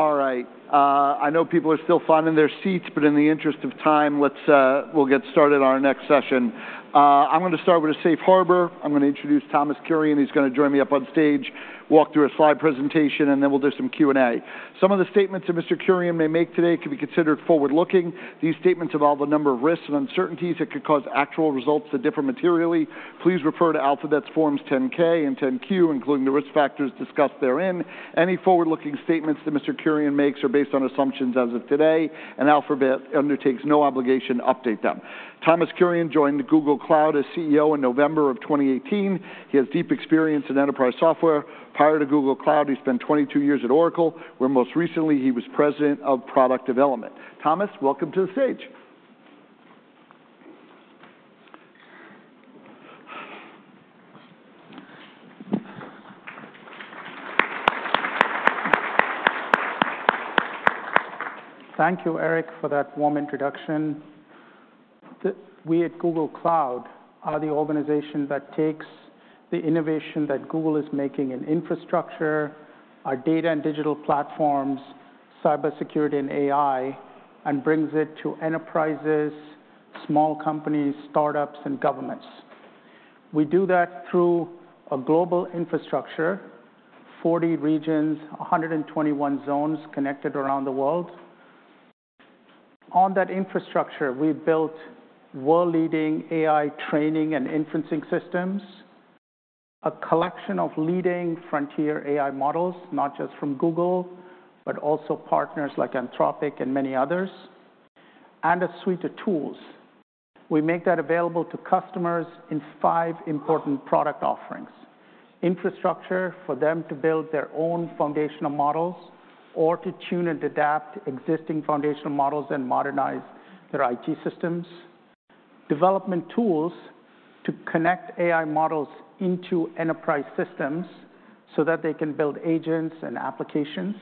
All right. I know people are still finding their seats, but in the interest of time, we'll get started on our next session. I'm going to start with a safe harbor. I'm going to introduce Thomas Kurian. He's going to join me up on stage, walk through a slide presentation, and then we'll do some Q&A. Some of the statements that Mr. Kurian may make today can be considered forward-looking. These statements involve a number of risks and uncertainties that could cause actual results to differ materially. Please refer to Alphabet's Forms 10-K and 10-Q, including the risk factors discussed therein. Any forward-looking statements that Mr. Kurian makes are based on assumptions as of today, and Alphabet undertakes no obligation to update them. Thomas Kurian joined Google Cloud as CEO in November of 2018. He has deep experience in enterprise software. Prior to Google Cloud, he spent 22 years at Oracle, where most recently he was president of product development. Thomas, welcome to the stage. Thank you, Eric, for that warm introduction. We at Google Cloud are the organization that takes the innovation that Google is making in infrastructure, our data and digital platforms, cybersecurity, and AI, and brings it to enterprises, small companies, startups, and governments. We do that through a global infrastructure: 40 regions, 121 zones connected around the world. On that infrastructure, we built world-leading AI training and inferencing systems, a collection of leading frontier AI models, not just from Google, but also partners like Anthropic and many others, and a suite of tools. We make that available to customers in five important product offerings: infrastructure for them to build their own foundational models, or to tune and adapt existing foundational models and modernize their IT systems. Development tools to connect AI models into enterprise systems so that they can build agents and applications.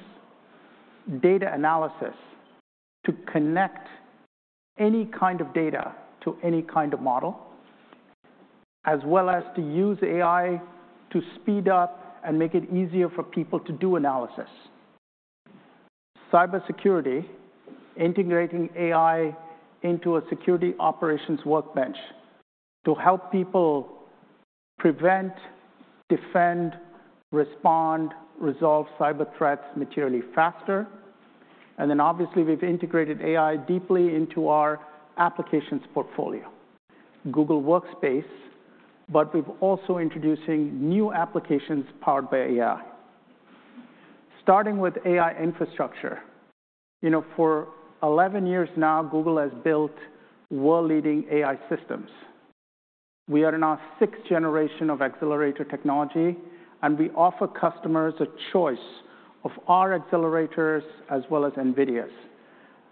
Data analysis to connect any kind of data to any kind of model, as well as to use AI to speed up and make it easier for people to do analysis. Cybersecurity, integrating AI into a security operations workbench to help people prevent, defend, respond, and resolve cyber threats materially faster. And then, obviously, we've integrated AI deeply into our applications portfolio: Google Workspace. But we're also introducing new applications powered by AI, starting with AI infrastructure. For 11 years now, Google has built world-leading AI systems. We are now sixth generation of accelerator technology, and we offer customers a choice of our accelerators as well as NVIDIA's.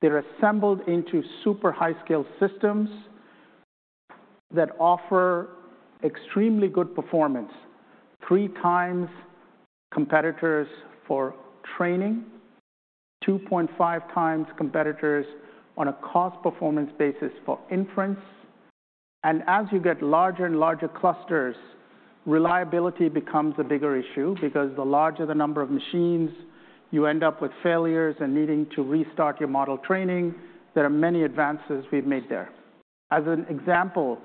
They're assembled into super high-scale systems that offer extremely good performance: 3x competitors for training, 2.5x competitors on a cost-performance basis for inference, and as you get larger and larger clusters, reliability becomes a bigger issue because the larger the number of machines, you end up with failures and needing to restart your model training. There are many advances we've made there. As an example,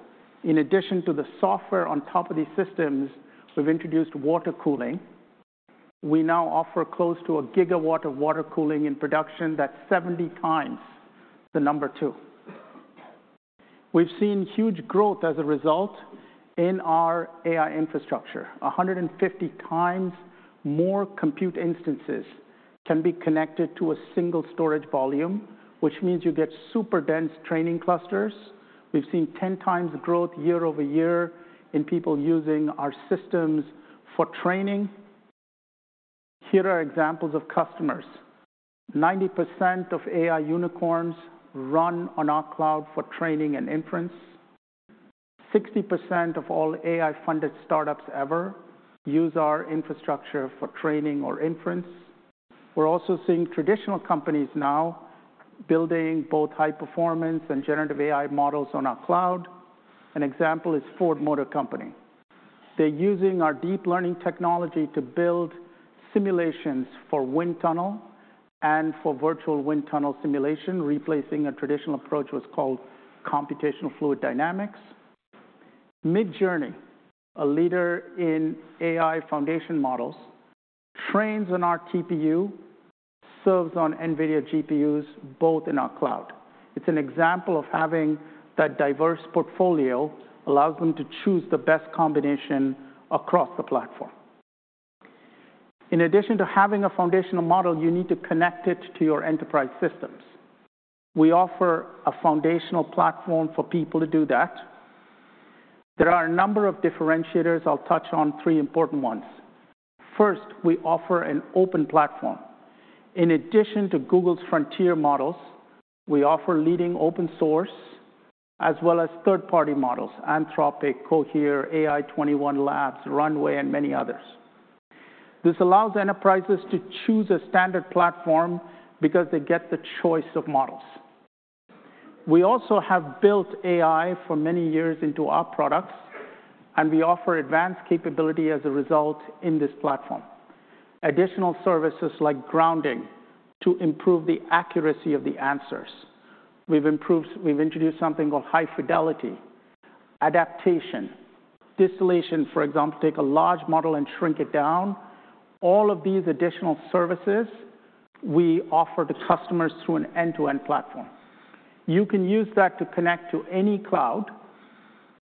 in addition to the software on top of these systems, we've introduced water cooling. We now offer close to a gigawatt of water cooling in production. That's 70 times the number two. We've seen huge growth as a result in our AI infrastructure: 150 times more compute instances can be connected to a single storage volume, which means you get super dense training clusters. We've seen 10x growth year-over-year in people using our systems for training. Here are examples of customers: 90% of AI unicorns run on our cloud for training and inference. 60% of all AI-funded startups ever use our infrastructure for training or inference. We're also seeing traditional companies now building both high-performance and generative AI models on our cloud. An example is Ford Motor Company. They're using our deep learning technology to build simulations for wind tunnel and for virtual wind tunnel simulation, replacing a traditional approach that was called computational fluid dynamics. Midjourney, a leader in AI foundational models, trains on our TPU, serves on NVIDIA GPUs, both in our cloud. It's an example of having that diverse portfolio that allows them to choose the best combination across the platform. In addition to having a foundational model, you need to connect it to your enterprise systems. We offer a foundational platform for people to do that. There are a number of differentiators. I'll touch on three important ones. First, we offer an open platform. In addition to Google's frontier models, we offer leading open source as well as third-party models: Anthropic, Cohere, AI21 Labs, Runway, and many others. This allows enterprises to choose a standard platform because they get the choice of models. We also have built AI for many years into our products, and we offer advanced capability as a result in this platform: additional services like grounding to improve the accuracy of the answers. We've introduced something called high fidelity, adaptation, distillation, for example, to take a large model and shrink it down. All of these additional services we offer to customers through an end-to-end platform. You can use that to connect to any cloud,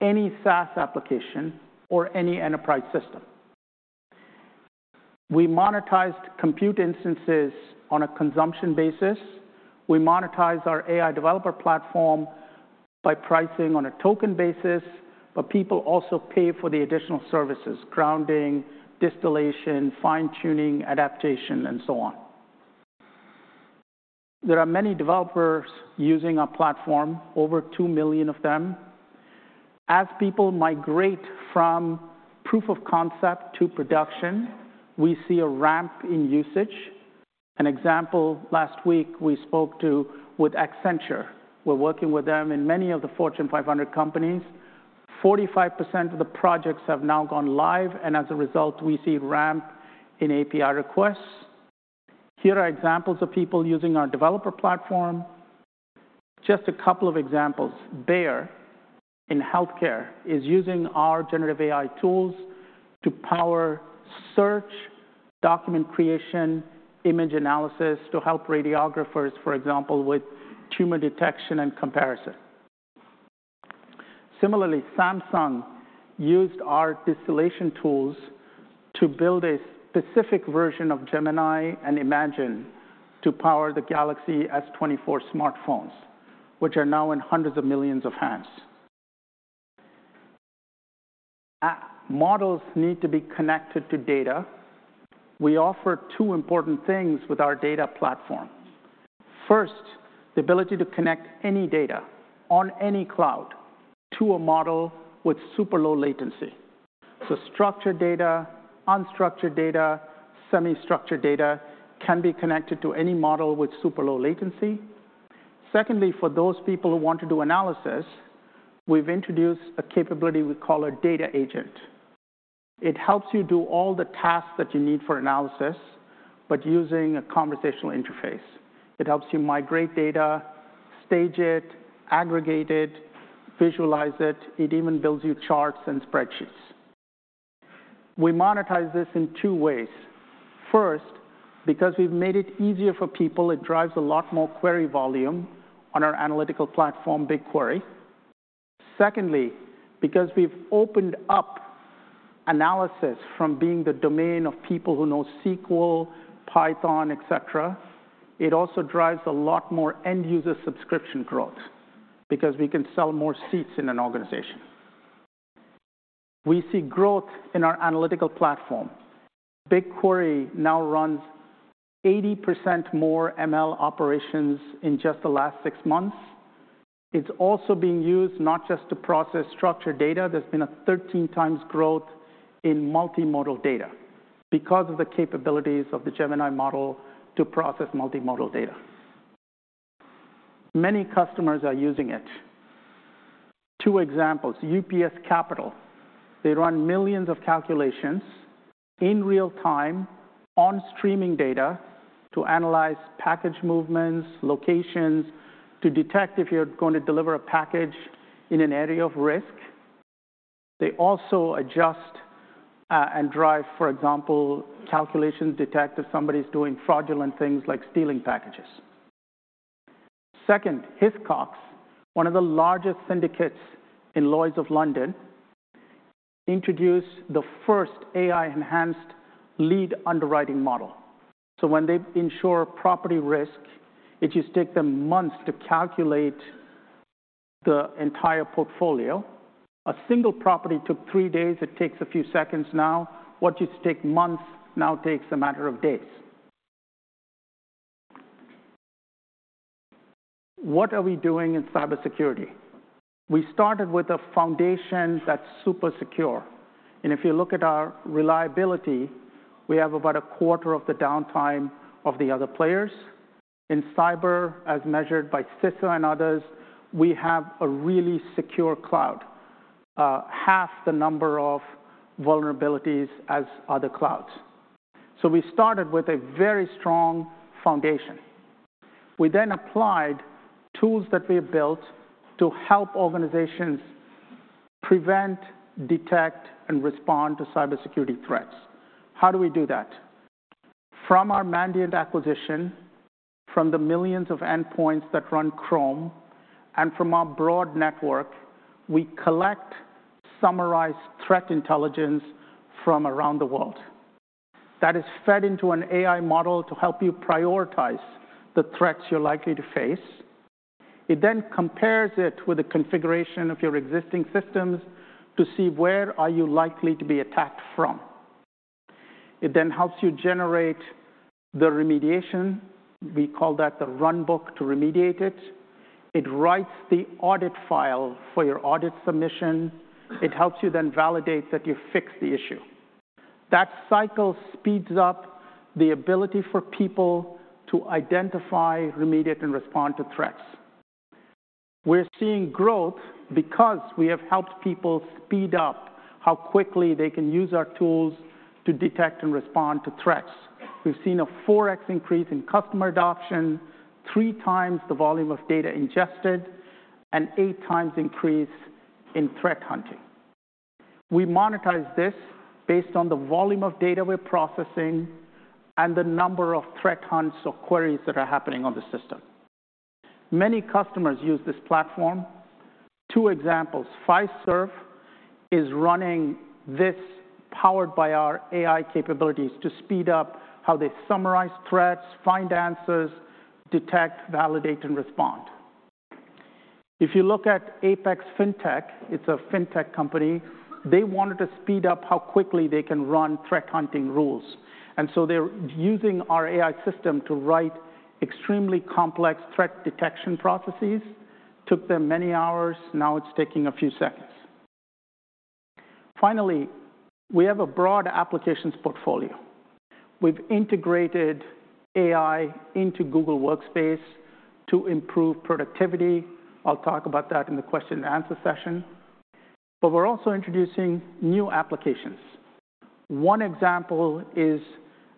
any SaaS application, or any enterprise system. We monetized compute instances on a consumption basis. We monetize our AI developer platform by pricing on a token basis, but people also pay for the additional services: grounding, distillation, fine-tuning, adaptation, and so on. There are many developers using our platform, over two million of them. As people migrate from proof of concept to production, we see a ramp in usage. An example: last week, we spoke to Accenture. We're working with them in many of the Fortune 500 companies. 45% of the projects have now gone live, and as a result, we see a ramp in API requests. Here are examples of people using our developer platform. Just a couple of examples: Bayer in healthcare is using our generative AI tools to power search, document creation, image analysis to help radiographers, for example, with tumor detection and comparison. Similarly, Samsung used our distillation tools to build a specific version of Gemini and Imagen to power the Galaxy S24 smartphones, which are now in hundreds of millions of hands. Models need to be connected to data. We offer two important things with our data platform. First, the ability to connect any data on any cloud to a model with super low latency. So structured data, unstructured data, semi-structured data can be connected to any model with super low latency. Secondly, for those people who want to do analysis, we've introduced a capability we call a data agent. It helps you do all the tasks that you need for analysis, but using a conversational interface. It helps you migrate data, stage it, aggregate it, visualize it. It even builds you charts and spreadsheets. We monetize this in two ways. First, because we've made it easier for people, it drives a lot more query volume on our analytical platform, BigQuery. Secondly, because we've opened up analysis from being the domain of people who know SQL, Python, et cetera, it also drives a lot more end-user subscription growth because we can sell more seats in an organization. We see growth in our analytical platform. BigQuery now runs 80% more ML operations in just the last six months. It's also being used not just to process structured data. There's been a 13x growth in multimodal data because of the capabilities of the Gemini model to process multimodal data. Many customers are using it. Two examples: UPS Capital. They run millions of calculations in real time on streaming data to analyze package movements, locations, to detect if you're going to deliver a package in an area of risk. They also adjust and drive, for example, calculations detect if somebody's doing fraudulent things like stealing packages. Second, Hiscox, one of the largest syndicates in Lloyd's of London, introduced the first AI-enhanced lead underwriting model, so when they insure property risk, it used to take them months to calculate the entire portfolio. A single property took three days. It takes a few seconds now. What used to take months now takes a matter of days. What are we doing in cybersecurity? We started with a foundation that's super secure, and if you look at our reliability, we have about a quarter of the downtime of the other players. In cyber, as measured by CISA and others, we have a really secure cloud, half the number of vulnerabilities as other clouds. So we started with a very strong foundation. We then applied tools that we have built to help organizations prevent, detect, and respond to cybersecurity threats. How do we do that? From our Mandiant acquisition, from the millions of endpoints that run Chrome, and from our broad network, we collect, summarize threat intelligence from around the world. That is fed into an AI model to help you prioritize the threats you're likely to face. It then compares it with the configuration of your existing systems to see where are you likely to be attacked from. It then helps you generate the remediation. We call that the runbook to remediate it. It writes the audit file for your audit submission. It helps you then validate that you fixed the issue. That cycle speeds up the ability for people to identify, remediate, and respond to threats. We're seeing growth because we have helped people speed up how quickly they can use our tools to detect and respond to threats. We've seen a 4x increase in customer adoption, 3x the volume of data ingested, and 8x increase in threat hunting. We monetize this based on the volume of data we're processing and the number of threat hunts or queries that are happening on the system. Many customers use this platform. Two examples: Fiserv is running this powered by our AI capabilities to speed up how they summarize threats, find answers, detect, validate, and respond. If you look at Apex Fintech, it's a fintech company. They wanted to speed up how quickly they can run threat hunting rules. So they're using our AI system to write extremely complex threat detection processes. Took them many hours. Now it's taking a few seconds. Finally, we have a broad applications portfolio. We've integrated AI into Google Workspace to improve productivity. I'll talk about that in the question and answer session. But we're also introducing new applications. One example is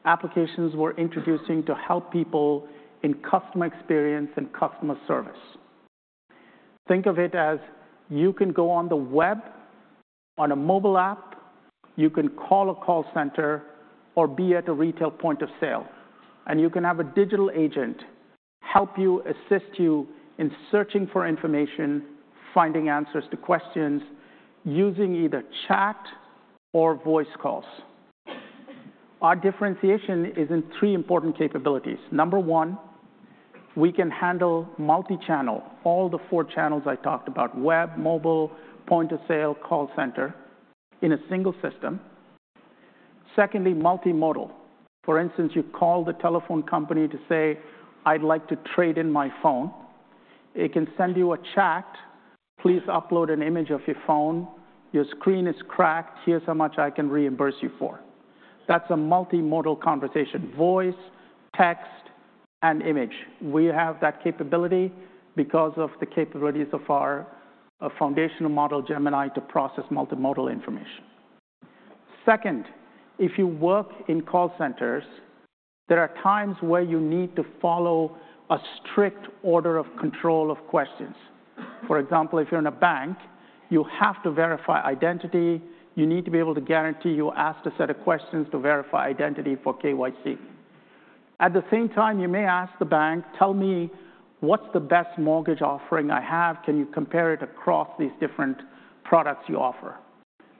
applications we're introducing to help people in customer experience and customer service. Think of it as you can go on the web, on a mobile app, you can call a call center, or be at a retail point of sale. And you can have a digital agent help you, assist you in searching for information, finding answers to questions, using either chat or voice calls. Our differentiation is in three important capabilities. Number one, we can handle multi-channel, all the four channels I talked about: web, mobile, point of sale, call center in a single system. Secondly, multimodal. For instance, you call the telephone company to say, "I'd like to trade in my phone." It can send you a chat, "Please upload an image of your phone. Your screen is cracked. Here's how much I can reimburse you for." That's a multimodal conversation: voice, text, and image. We have that capability because of the capabilities of our foundational model, Gemini, to process multimodal information. Second, if you work in call centers, there are times where you need to follow a strict order of control of questions. For example, if you're in a bank, you have to verify identity. You need to be able to guarantee you asked a set of questions to verify identity for KYC. At the same time, you may ask the bank, "Tell me, what's the best mortgage offering I have? Can you compare it across these different products you offer?"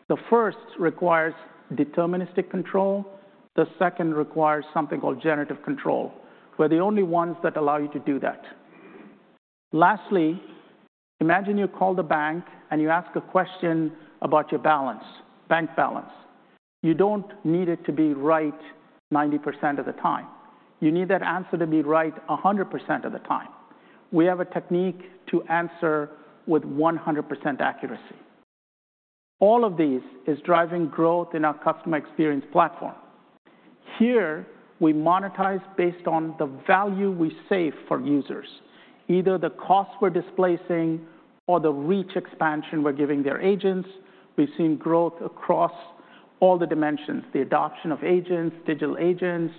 The first requires deterministic control. The second requires something called generative control. We're the only ones that allow you to do that. Lastly, imagine you call the bank and you ask a question about your balance, bank balance. You don't need it to be right 90% of the time. You need that answer to be right 100% of the time. We have a technique to answer with 100% accuracy. All of these is driving growth in our customer experience platform. Here, we monetize based on the value we save for users, either the cost we're displacing or the reach expansion we're giving their agents. We've seen growth across all the dimensions: the adoption of agents, digital agents,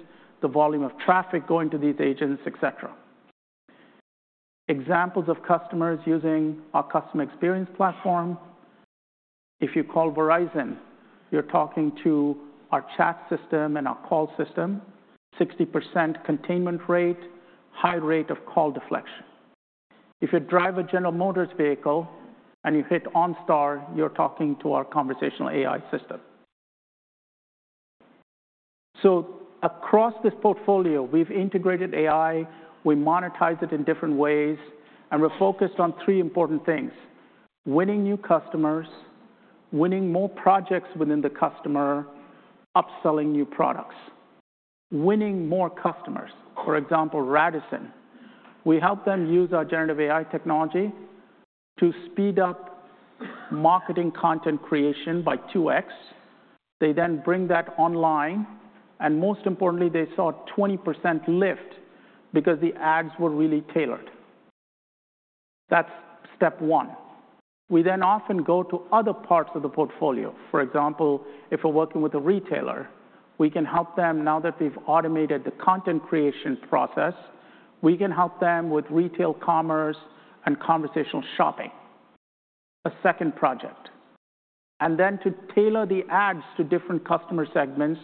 the volume of traffic going to these agents, et cetera. Examples of customers using our customer experience platform: if you call Verizon, you're talking to our chat system and our call system, 60% containment rate, high rate of call deflection. If you drive a General Motors vehicle and you hit OnStar, you're talking to our conversational AI system, so across this portfolio, we've integrated AI. We monetize it in different ways, and we're focused on three important things: winning new customers, winning more projects within the customer, upselling new products, winning more customers. For example, Radisson. We help them use our generative AI technology to speed up marketing content creation by 2x. They then bring that online, and most importantly, they saw a 20% lift because the ads were really tailored. That's step one. We then often go to other parts of the portfolio. For example, if we're working with a retailer, we can help them now that they've automated the content creation process. We can help them with retail commerce and conversational shopping, a second project. And then to tailor the ads to different customer segments,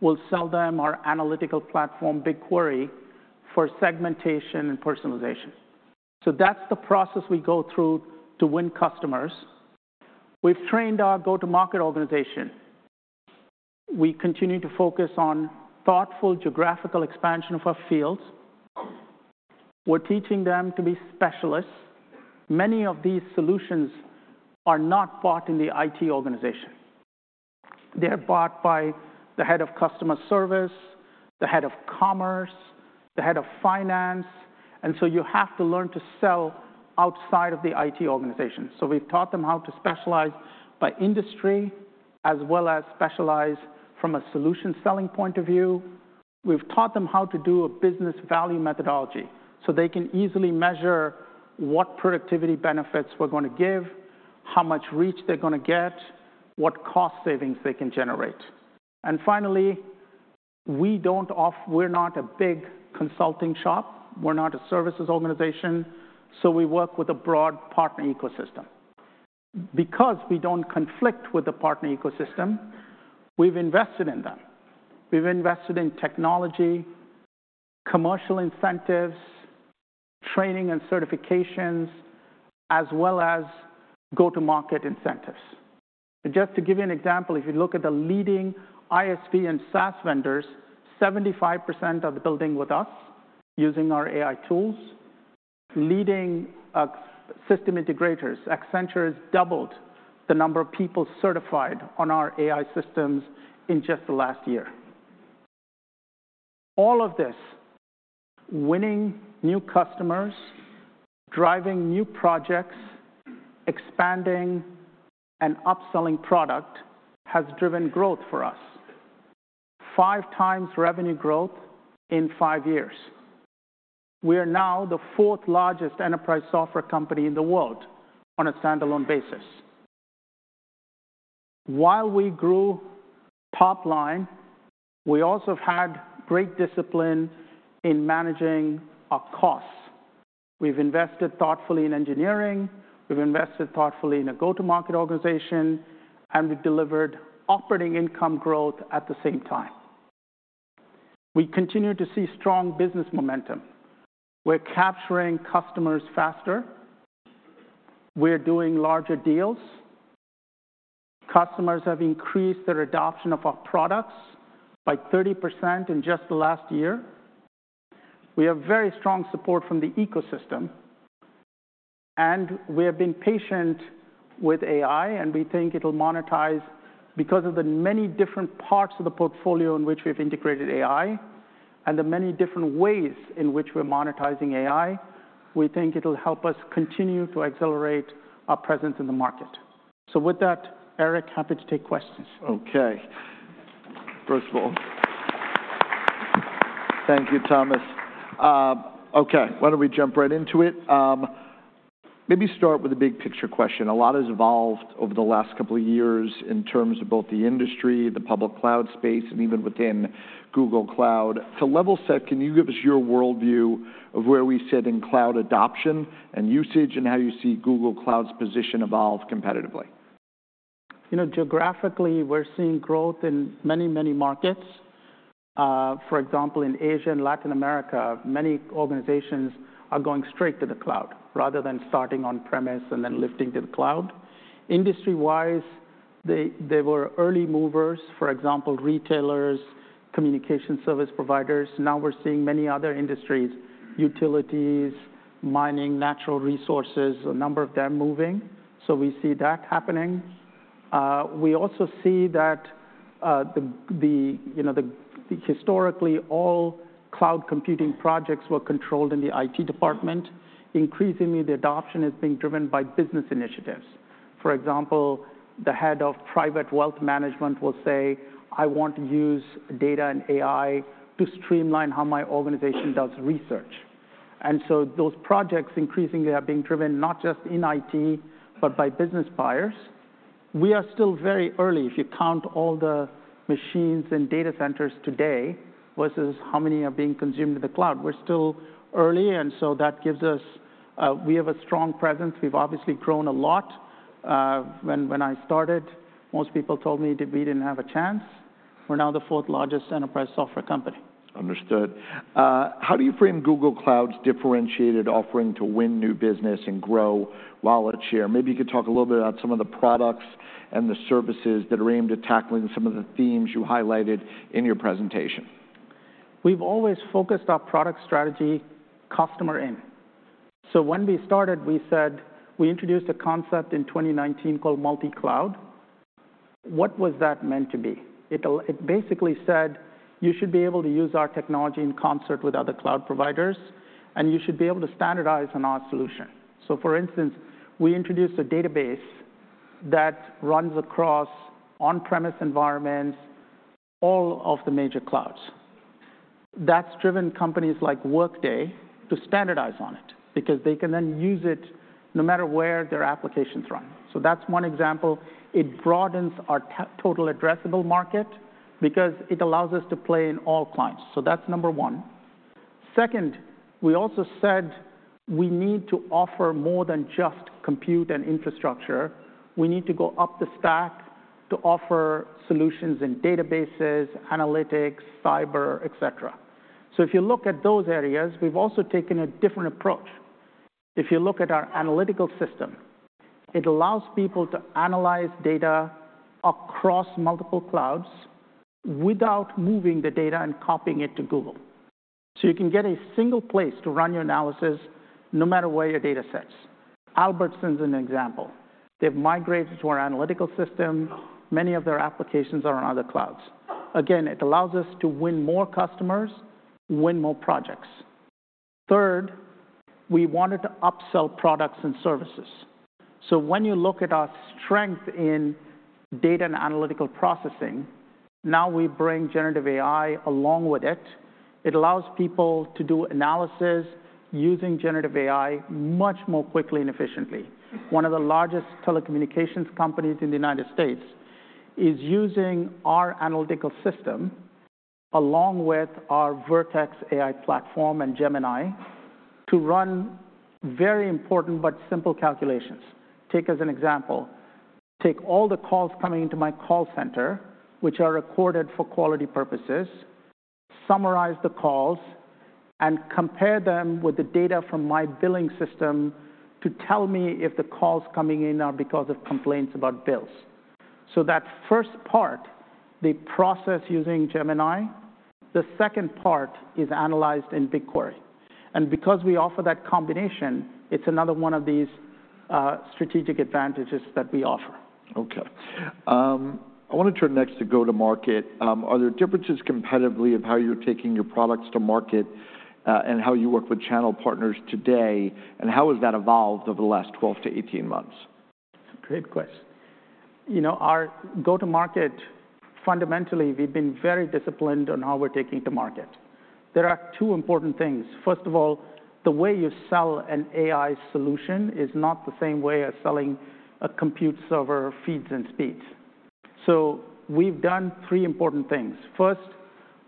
we'll sell them our analytical platform, BigQuery, for segmentation and personalization. So that's the process we go through to win customers. We've trained our go-to-market organization. We continue to focus on thoughtful geographical expansion of our fields. We're teaching them to be specialists. Many of these solutions are not bought in the IT organization. They're bought by the head of customer service, the head of commerce, the head of finance. And so you have to learn to sell outside of the IT organization. So we've taught them how to specialize by industry as well as specialize from a solution selling point of view. We've taught them how to do a business value methodology so they can easily measure what productivity benefits we're going to give, how much reach they're going to get, what cost savings they can generate. And finally, we're not a big consulting shop. We're not a services organization. So we work with a broad partner ecosystem. Because we don't conflict with the partner ecosystem, we've invested in them. We've invested in technology, commercial incentives, training and certifications, as well as go-to-market incentives. Just to give you an example, if you look at the leading ISV and SaaS vendors, 75% are building with us using our AI tools. Leading system integrators, Accenture has doubled the number of people certified on our AI systems in just the last year. All of this: winning new customers, driving new projects, expanding and upselling product has driven growth for us, 5x revenue growth in five years. We are now the fourth-largest enterprise software company in the world on a standalone basis. While we grew top line, we also have had great discipline in managing our costs. We've invested thoughtfully in engineering. We've invested thoughtfully in a go-to-market organization. And we've delivered operating income growth at the same time. We continue to see strong business momentum. We're capturing customers faster. We're doing larger deals. Customers have increased their adoption of our products by 30% in just the last year. We have very strong support from the ecosystem. And we have been patient with AI. And we think it'll monetize because of the many different parts of the portfolio in which we have integrated AI and the many different ways in which we're monetizing AI. We think it'll help us continue to accelerate our presence in the market. So with that, Eric, happy to take questions. Okay. First of all, thank you, Thomas. Okay. Why don't we jump right into it? Maybe start with a big picture question. A lot has evolved over the last couple of years in terms of both the industry, the public cloud space, and even within Google Cloud. To level set, can you give us your worldview of where we sit in cloud adoption and usage and how you see Google Cloud's position evolve competitively? Geographically, we're seeing growth in many, many markets. For example, in Asia and Latin America, many organizations are going straight to the cloud rather than starting on-premises and then lifting to the cloud. Industry-wise, they were early movers, for example, retailers, communication service providers. Now we're seeing many other industries, utilities, mining, natural resources, a number of them moving. So we see that happening. We also see that historically, all cloud computing projects were controlled in the IT department. Increasingly, the adoption is being driven by business initiatives. For example, the head of private wealth management will say, "I want to use data and AI to streamline how my organization does research." And so those projects increasingly are being driven not just in IT, but by business buyers. We are still very early. If you count all the machines and data centers today versus how many are being consumed in the cloud, we're still early. And so that gives us. We have a strong presence. We've obviously grown a lot. When I started, most people told me that we didn't have a chance. We're now the fourth largest enterprise software company. Understood. How do you frame Google Cloud's differentiated offering to win new business and grow wallet share? Maybe you could talk a little bit about some of the products and the services that are aimed at tackling some of the themes you highlighted in your presentation. We've always focused our product strategy customer-first. So when we started, we introduced a concept in 2019 called multi-cloud. What was that meant to be? It basically said, "You should be able to use our technology in concert with other cloud providers, and you should be able to standardize on our solution." So for instance, we introduced a database that runs across on-premise environments, all of the major clouds. That's driven companies like Workday to standardize on it because they can then use it no matter where their applications run. So that's one example. It broadens our total addressable market because it allows us to play in all clouds. So that's number one. Second, we also said we need to offer more than just compute and infrastructure. We need to go up the stack to offer solutions in databases, analytics, cyber, et cetera. So if you look at those areas, we've also taken a different approach. If you look at our analytical system, it allows people to analyze data across multiple clouds without moving the data and copying it to Google. So you can get a single place to run your analysis no matter where your data sets. Albertsons is an example. They've migrated to our analytical system. Many of their applications are on other clouds. Again, it allows us to win more customers, win more projects. Third, we wanted to upsell products and services. So when you look at our strength in data and analytical processing, now we bring generative AI along with it. It allows people to do analysis using generative AI much more quickly and efficiently. One of the largest telecommunications companies in the United States is using our analytical system along with our Vertex AI platform and Gemini to run very important but simple calculations. Take as an example, take all the calls coming into my call center, which are recorded for quality purposes, summarize the calls, and compare them with the data from my billing system to tell me if the calls coming in are because of complaints about bills, so that first part, they process using Gemini. The second part is analyzed in BigQuery, and because we offer that combination, it's another one of these strategic advantages that we offer. Okay. I want to turn next to go-to-market. Are there differences competitively of how you're taking your products to market and how you work with channel partners today? And how has that evolved over the last 12 to 18 months? Great question. Our go-to-market, fundamentally, we've been very disciplined on how we're taking to market. There are two important things. First of all, the way you sell an AI solution is not the same way as selling a compute server feeds and speeds. So we've done three important things. First,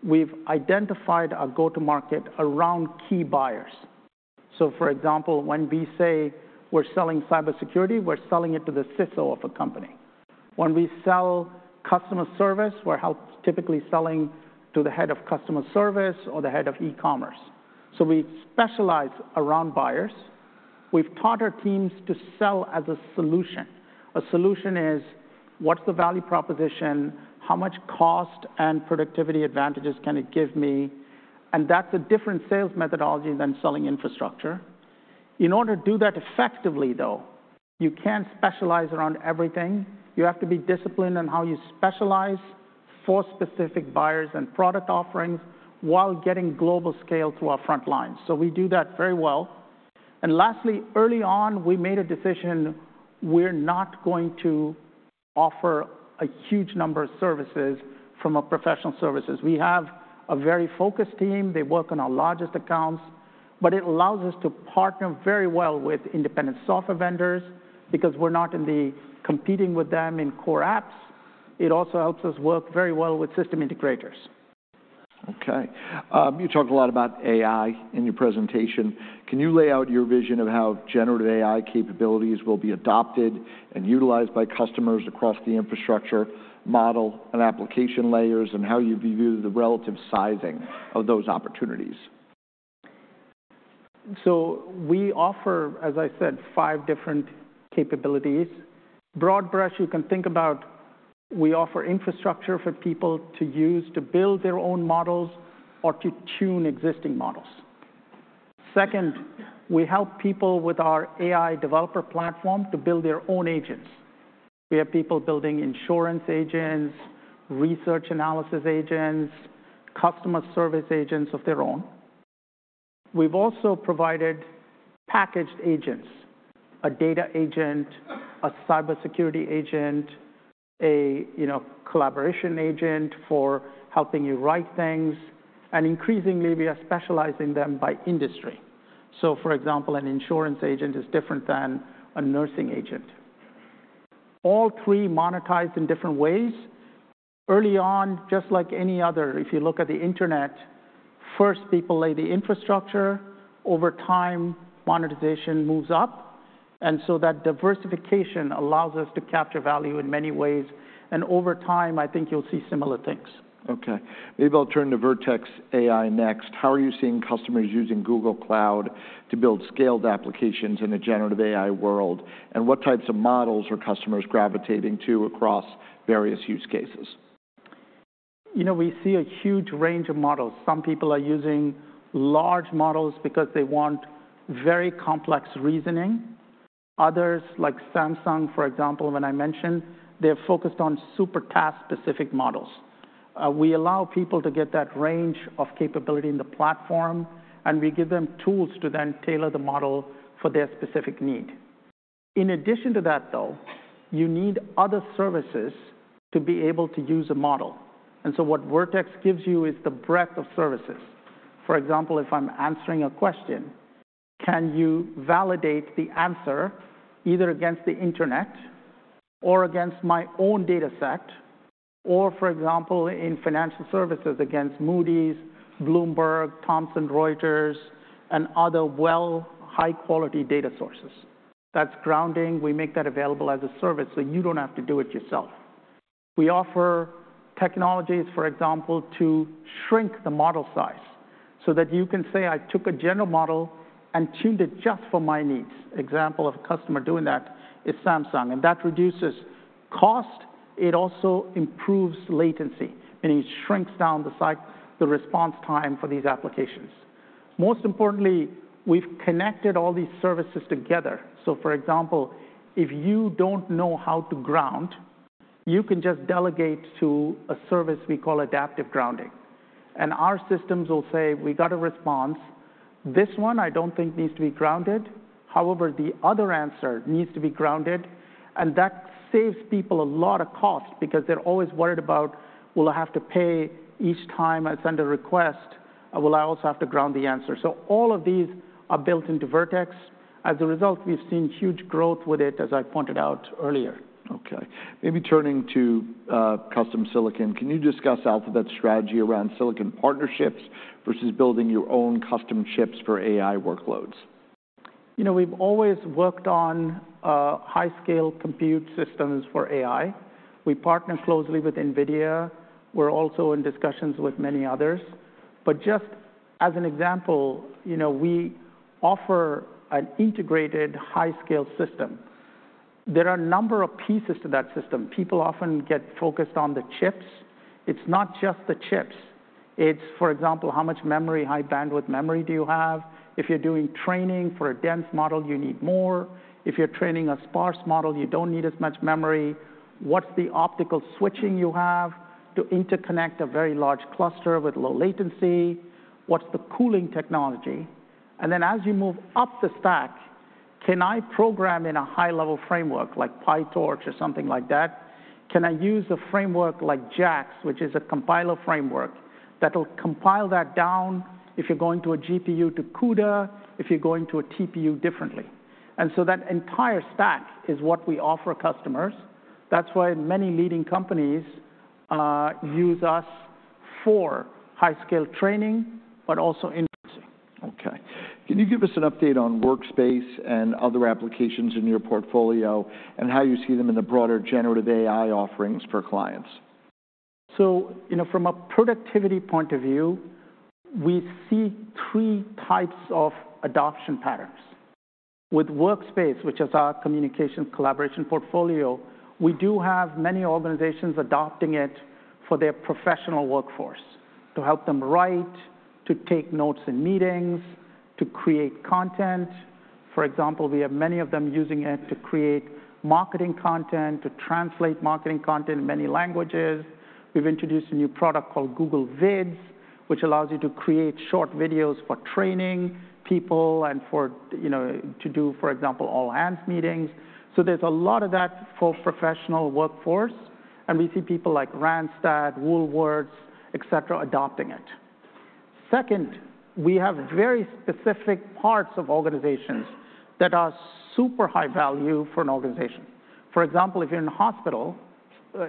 we've identified our go-to-market around key buyers. So for example, when we say we're selling cybersecurity, we're selling it to the CISO of a company. When we sell customer service, we're typically selling to the head of customer service or the head of e-commerce. So we specialize around buyers. We've taught our teams to sell as a solution. A solution is, what's the value proposition? How much cost and productivity advantages can it give me? And that's a different sales methodology than selling infrastructure. In order to do that effectively, though, you can't specialize around everything. You have to be disciplined on how you specialize for specific buyers and product offerings while getting global scale to our front lines. So we do that very well, and lastly, early on, we made a decision we're not going to offer a huge number of services from our professional services. We have a very focused team. They work on our largest accounts, but it allows us to partner very well with independent software vendors because we're not competing with them in core apps. It also helps us work very well with system integrators. Okay. You talked a lot about AI in your presentation. Can you lay out your vision of how generative AI capabilities will be adopted and utilized by customers across the infrastructure model and application layers and how you view the relative sizing of those opportunities? So we offer, as I said, five different capabilities. Broad brush, you can think about we offer infrastructure for people to use to build their own models or to tune existing models. Second, we help people with our AI developer platform to build their own agents. We have people building insurance agents, research analysis agents, customer service agents of their own. We've also provided packaged agents, a data agent, a cybersecurity agent, a collaboration agent for helping you write things. And increasingly, we are specializing them by industry. So for example, an insurance agent is different than a nursing agent. All three monetized in different ways. Early on, just like any other, if you look at the internet, first people lay the infrastructure. Over time, monetization moves up. And so that diversification allows us to capture value in many ways. And over time, I think you'll see similar things. Okay. Maybe I'll turn to Vertex AI next. How are you seeing customers using Google Cloud to build scaled applications in the generative AI world? And what types of models are customers gravitating to across various use cases? We see a huge range of models. Some people are using large models because they want very complex reasoning. Others, like Samsung, for example, when I mentioned, they're focused on super task-specific models. We allow people to get that range of capability in the platform, and we give them tools to then tailor the model for their specific need. In addition to that, though, you need other services to be able to use a model. And so what Vertex gives you is the breadth of services. For example, if I'm answering a question, can you validate the answer either against the internet or against my own data set or, for example, in financial services against Moody's, Bloomberg, Thomson Reuters, and other well, high-quality data sources? That's grounding. We make that available as a service so you don't have to do it yourself. We offer technologies, for example, to shrink the model size so that you can say, "I took a general model and tuned it just for my needs." Example of a customer doing that is Samsung, and that reduces cost. It also improves latency, meaning it shrinks down the response time for these applications. Most importantly, we've connected all these services together, so for example, if you don't know how to ground, you can just delegate to a service we call adaptive grounding, and our systems will say, "We got a response. This one, I don't think needs to be grounded. However, the other answer needs to be grounded," and that saves people a lot of cost because they're always worried about, "Will I have to pay each time I send a request? Will I also have to ground the answer?", so all of these are built into Vertex. As a result, we've seen huge growth with it, as I pointed out earlier. Okay. Maybe turning to custom silicon. Can you discuss Alphabet's strategy around silicon partnerships versus building your own custom chips for AI workloads? We've always worked on high-scale compute systems for AI. We partner closely with NVIDIA. We're also in discussions with many others. But just as an example, we offer an integrated high-scale system. There are a number of pieces to that system. People often get focused on the chips. It's not just the chips. It's, for example, how much memory, high-bandwidth memory, do you have? If you're doing training for a dense model, you need more. If you're training a sparse model, you don't need as much memory. What's the optical switching you have to interconnect a very large cluster with low latency? What's the cooling technology? And then as you move up the stack, can I program in a high-level framework like PyTorch or something like that? Can I use a framework like JAX, which is a compiler framework, that'll compile that down if you're going to a GPU to CUDA, if you're going to a TPU differently, and so that entire stack is what we offer customers. That's why many leading companies use us for high-scale training, but also inferencing. Okay. Can you give us an update on Workspace and other applications in your portfolio and how you see them in the broader generative AI offerings for clients? So from a productivity point of view, we see three types of adoption patterns. With Workspace, which is our communication collaboration portfolio, we do have many organizations adopting it for their professional workforce to help them write, to take notes in meetings, to create content. For example, we have many of them using it to create marketing content, to translate marketing content in many languages. We've introduced a new product called Google Vids, which allows you to create short videos for training people and to do, for example, all-hands meetings. So there's a lot of that for professional workforce. And we see people like Randstad, Woolworths, et cetera, adopting it. Second, we have very specific parts of organizations that are super high value for an organization. For example, if you're in a hospital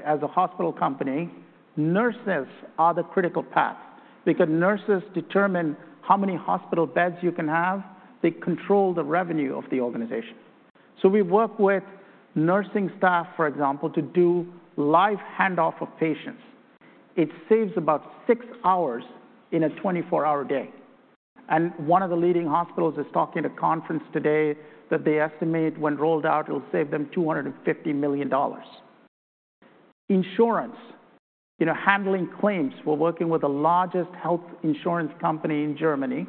as a hospital company, nurses are the critical path because nurses determine how many hospital beds you can have. They control the revenue of the organization. So we work with nursing staff, for example, to do live handoff of patients. It saves about six hours in a 24-hour day. And one of the leading hospitals is talking at a conference today that they estimate when rolled out, it'll save them $250 million. Insurance, handling claims. We're working with the largest health insurance company in Germany.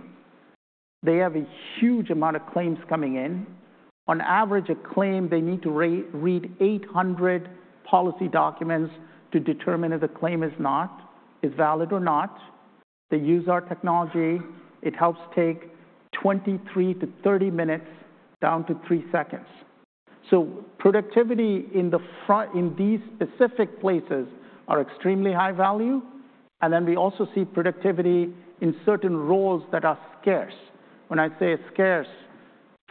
They have a huge amount of claims coming in. On average, a claim, they need to read 800 policy documents to determine if the claim is valid or not. They use our technology. It helps take 23-30 minutes down to three seconds. So productivity in these specific places is extremely high value. And then we also see productivity in certain roles that are scarce. When I say scarce,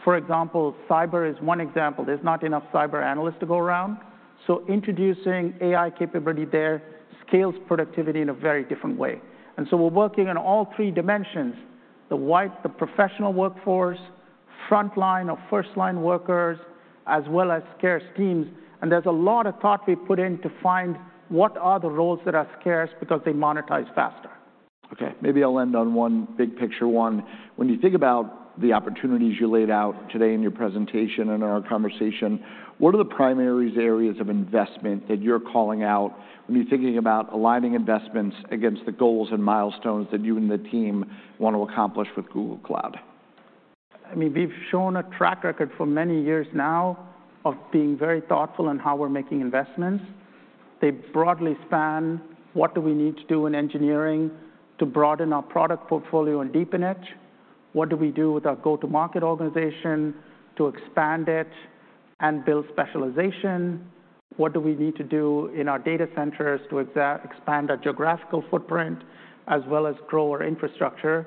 for example, cyber is one example. There's not enough cyber analysts to go around. So introducing AI capability there scales productivity in a very different way. And so we're working in all three dimensions: the professional workforce, front-line or first-line workers, as well as scarce teams. And there's a lot of thought we put in to find what are the roles that are scarce because they monetize faster. Okay. Maybe I'll end on one big picture one. When you think about the opportunities you laid out today in your presentation and in our conversation, what are the primary areas of investment that you're calling out when you're thinking about aligning investments against the goals and milestones that you and the team want to accomplish with Google Cloud? I mean, we've shown a track record for many years now of being very thoughtful in how we're making investments. They broadly span what do we need to do in engineering to broaden our product portfolio and deepen it? What do we do with our go-to-market organization to expand it and build specialization? What do we need to do in our data centers to expand our geographical footprint as well as grow our infrastructure?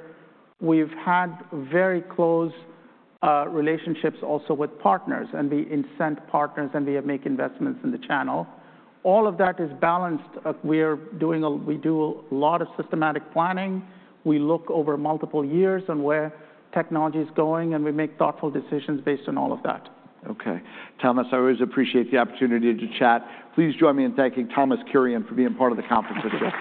We've had very close relationships also with partners, and we incent partners, and we make investments in the channel. All of that is balanced. We do a lot of systematic planning. We look over multiple years on where technology is going, and we make thoughtful decisions based on all of that. Okay. Thomas, I always appreciate the opportunity to chat. Please join me in thanking Thomas Kurian for being part of the conference this year.